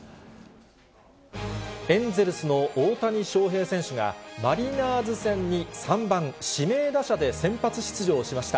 エンゼルスの大谷翔平選手が、マリナーズ戦に３番指名打者で先発出場しました。